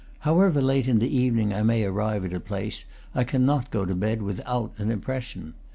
However late in the evening I may arrive at a place, I cannot go to bed without an impression.